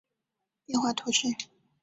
博沙斯泰人口变化图示